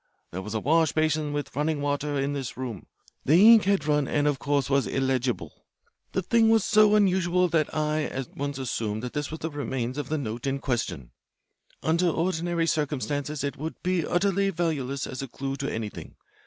There was a washbasin with running water in this room. The ink had run, and of course was illegible. The thing was so unusual that I at once assumed that this was the remains of the note in question. Under ordinary circumstances it would be utterly valueless as a clue to anything.